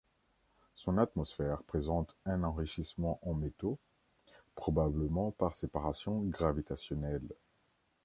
Son atmosphère présente un enrichissement en métaux, probablement par séparation gravitationnelle.